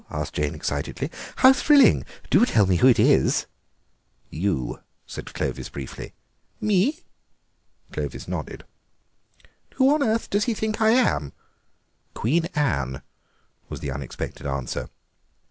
asked Jane excitedly; "how thrilling! Do tell me who it is." "You," said Clovis briefly. "Me?" Clovis nodded. "Who on earth does he think I am?" "Queen Anne," was the unexpected answer.